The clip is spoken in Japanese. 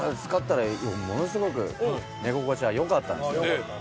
使ったらものすごく寝心地がよかったんですよ。